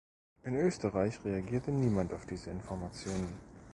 In Österreich reagierte niemand auf diese Informationen.